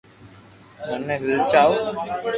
منو لآلچاوُ